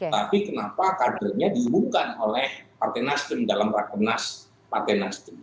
tapi kenapa kadernya diumumkan oleh partai nasjidun dalam rakyat nasjidun